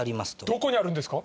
どこにあるんですか？